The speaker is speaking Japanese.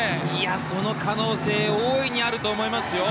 その可能性は大いにあると思いますよ。